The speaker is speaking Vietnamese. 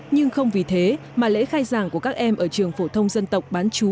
nhưng không vì thế mà lễ khai giảng của các em ở trường phổ thông dân tộc bán chú